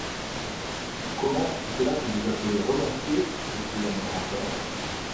─« Comment, c’est cela que vous appelez remercier! s’écria mon grand-père.